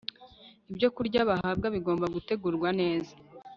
Ibyokurya bahabwa bigomba gutegurwa neza